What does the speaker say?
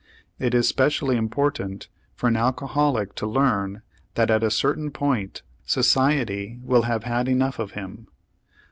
It is specially important for an alcoholic to learn that at a certain point society will have had enough of him.